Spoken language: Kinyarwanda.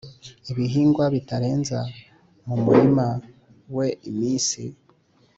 ibihingwa bitarenza mu murima we iminsi